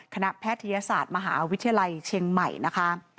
แพทยศาสตร์มหาวิทยาลัยเชียงใหม่นะคะ